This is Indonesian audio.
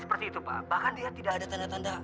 seperti itu pak bahkan dia tidak ada tanda tanda